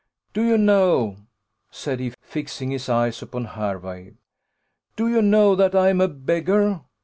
Do you know," said he, fixing his eyes upon Hervey, "do you know that I am a beggar?